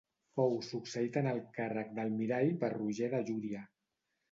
Fou succeït en el càrrec d'Almirall per Roger de Llúria.